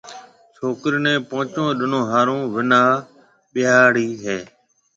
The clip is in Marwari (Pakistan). ڇوڪرَي نيَ پونچون ڏنون ھارو وناھ ٻياھݪي ھيَََ